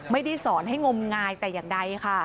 ไม่ได้สอนให้งมงายแต่อย่างใดค่ะ